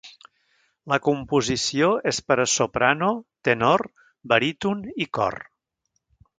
La composició és per a soprano, tenor, baríton i cor.